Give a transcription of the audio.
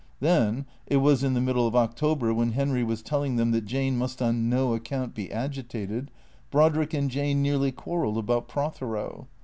Then (it was in the middle of October, when Henry was telling them that Jane must on no account be agitated) Brod rick and Jane nearly quarrelled about Prothero.